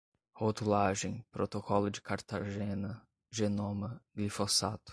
rotulagem, protocolo de cartagena, genoma, glifosato